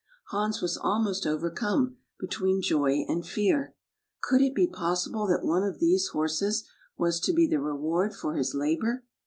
Hans was almost overcome, between joy and fear. Could it be possible that one of these horses was to be the reward for his labor?